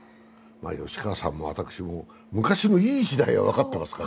吉川さんも私も、昔のいい時代は分かっていますからね。